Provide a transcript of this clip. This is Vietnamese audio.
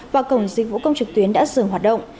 và cổng dịch vụ công trực tuyến đã dừng hoạt động